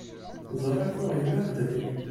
Ẓriɣ tuɣ yella ḥedd din.